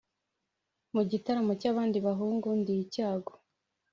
mu gitaramo cy'abandi bahungu, ndi icyago.